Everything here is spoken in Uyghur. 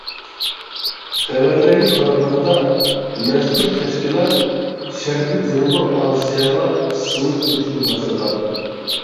خەۋەرلەرگە قارىغاندا، مەزكۇر تەشكىلات شەرقىي جەنۇبىي ئاسىياغا سىڭىپ كىرىشكە باشلىغان.